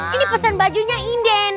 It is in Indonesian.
ini pesan bajunya inden